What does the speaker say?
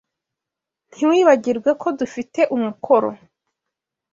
Ntiwibagirwe ko dufite umukoro.